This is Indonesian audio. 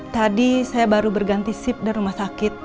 tadi saya baru berganti sip dari rumah sakit